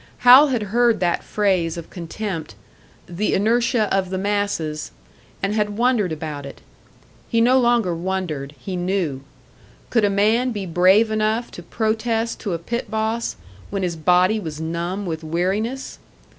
Hal had heard that phrase of contempt, "the inertia of the masses," and had wondered about it. He no longer wondered, he knew. Could a man be brave enough to protest to a pit boss when his body was numb with weariness?